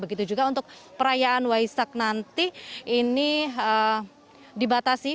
begitu juga untuk perayaan waisak nanti ini dibatasi